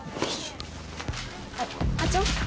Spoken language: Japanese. あっ課長？